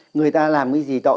người ta làm cái gì tội